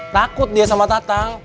takut dia sama tatang